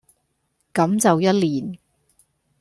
咁就一年